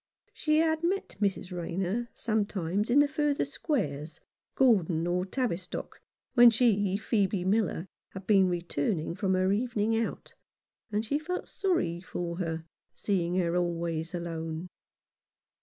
She had met Mrs. Rayner sometimes in the further squares — Gordon or Tavistock— when she, Phcebe Miller, had been returning from her evening out, and she felt sorry for her, seeing her always alone.